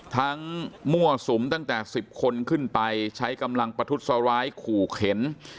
มั่วสุมตั้งแต่๑๐คนขึ้นไปใช้กำลังประทุษร้ายขู่เข็น